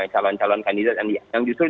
calon calon kandidat yang justru